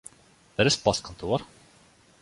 Wêr is it postkantoar?